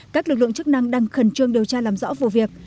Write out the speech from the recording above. các lực lượng chức năng đang khẩn trương điều tra làm rõ vụ việc